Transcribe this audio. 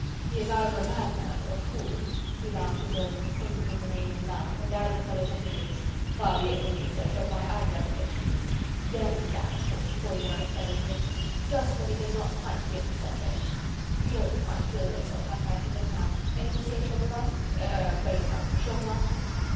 he is either a mad man or a fool..." He laughed his own quaint and inane laugh and added apologetically: "Far be if from me, sir, to apply either epithet to you... demmed bad form calling another fellow names... just when he does not quite feel himself, eh?... You don't feel quite yourself, I fancy just now... eh, Monsieur Chaubertin... er... beg pardon, Chauvelin..."